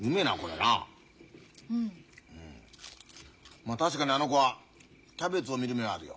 まあ確かにあの子はキャベツを見る目はあるよ。